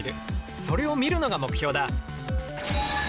それを見るのが目標だ。